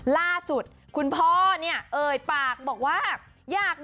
ล่าสุดคุณพ่อเนี่ยเอ่ยปากบอกว่าอยาก